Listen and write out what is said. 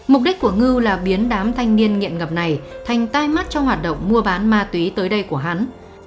mục đích của ngư là biến đám thanh niên nghiện ngập này thành tai mắt cho hoạt động mua bán ma túy tới đây của hắn